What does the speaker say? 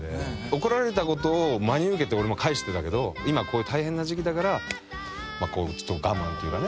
怒られたことを真に受けて俺も返してたけど今こういう大変な時期だからちょっと我慢っていうかね」